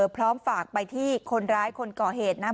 พร้อมฝากไปที่คนร้ายคนก่อเหตุนะครับ